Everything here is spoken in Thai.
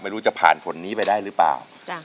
ไม่รู้จะผ่านผลนี้ไปได้หรือเปล่า